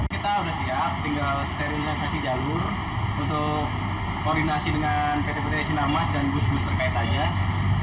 kita sudah siap tinggal sterilisasi jalur untuk koordinasi dengan pt pt sinarmas dan bus bus terkait saja